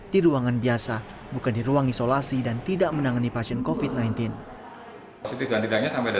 di ruangan biasa bukan di ruang isolasi dan tidak menangani pasien covid sembilan belas